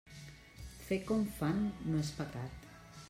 Fer com fan no és pecat.